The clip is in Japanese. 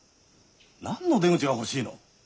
何の出口が欲しいの！？